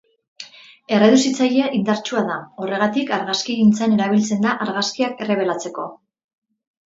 Erreduzitzaile indartsua da; horregatik, argazkigintzan erabiltzen da argazkiak errebelatzeko.